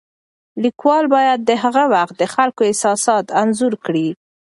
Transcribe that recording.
لیکوال باید د هغه وخت د خلکو احساسات انځور کړي.